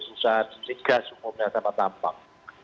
perusahaan tiga secukupnya sama tampak